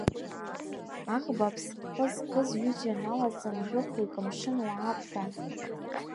Аӷба аԥсҟы зкыз ҩыџьа налаҵан жәохәҩык амшын уаа ақәтәан.